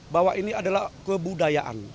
bahwa ini adalah kebudayaan